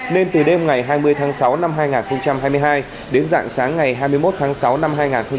nên từ đêm ngày hai mươi tháng sáu năm hai nghìn hai mươi hai đến dạng sáng ngày hai mươi một tháng sáu năm hai nghìn hai mươi ba